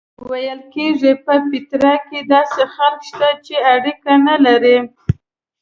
ویل کېږي په پیترا کې داسې خلک شته چې اړیکه نه لري.